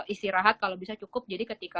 istirahat kalau bisa cukup jadi ketika